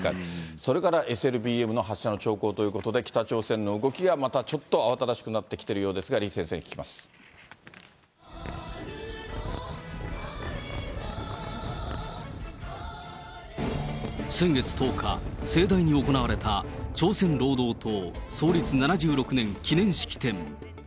それからＳＬＢＭの発射の兆候ということで、北朝鮮の動きがまたちょっと慌ただしくなってきているようですが、先月１０日、盛大に行われた朝鮮労働党創立７６年記念式典。